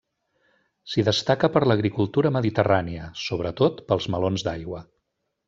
S'hi destaca per l'agricultura mediterrània, sobretot pels melons d'aigua.